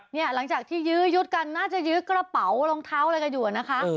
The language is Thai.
เนี่ยหลังจากที่ยืดกันน่าจะยืดกระเป๋ารองเท้าอะไรอยู่นะค่ะ